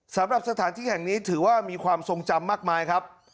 สำหรับสถานที่แห่งนี้ถือว่ามีความทรงจำมากมายครับ